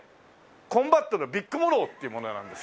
『コンバット！』のビック・モローっていう者なんですけど。